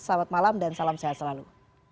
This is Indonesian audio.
selamat malam dan salam sehat selalu